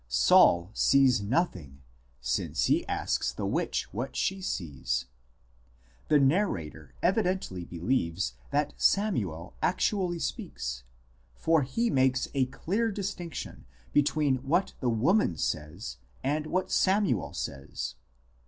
Saul sees nothing, since he asks the witch what she sees. The narrator evidently believes that Samuel actually speaks, for he makes a clear dis tinction between what the woman says and what Samuel says.